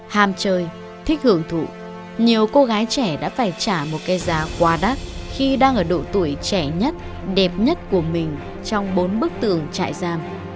hàm chơi thích hưởng thụ nhiều cô gái trẻ đã phải trả một cái giá quá đắt khi đang ở độ tuổi trẻ nhất đẹp nhất của mình trong bốn bức tường trại giam